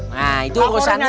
nah itu urusannya